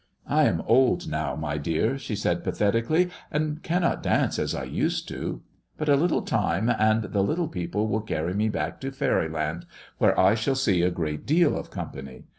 I am old now, my dear," she said pathetically, "and cannot dance as I used to. But a little time and the little people will carry me back to faeryland, where I shall see a great deal of company.